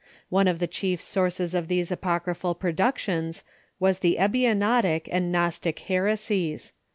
One of the chief sources of these apocryphal ])ro(iuctions was the Ebionitic and Gnostic heresies.